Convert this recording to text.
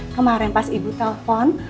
kemarin pas ibu telepon